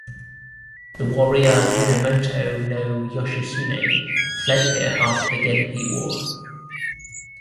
The warrior Minamoto no Yoshitsune fled here after the Genpei War.